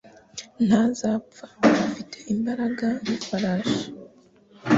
Ntazapfa . Afite imbaraga nk'ifarashi.